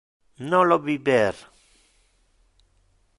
Non lo biber!